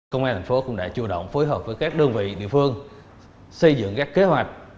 công an thành phố cũng đã chủ động phối hợp với các đơn vị địa phương xây dựng các kế hoạch